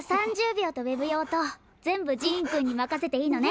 びょうとウェブようとぜんぶジーンくんにまかせていいのね。